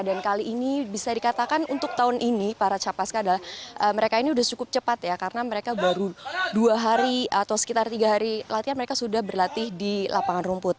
dan kali ini bisa dikatakan untuk tahun ini para calon paski adalah mereka ini sudah cukup cepat ya karena mereka baru dua hari atau sekitar tiga hari latihan mereka sudah berlatih di lapangan rumput